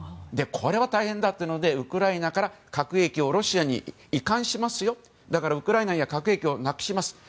これは大変だということでウクライナから核兵器をロシアに移管しますよだからウクライナには核兵器をなくします。